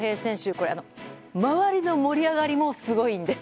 これ、周りの盛り上がりもすごいんです。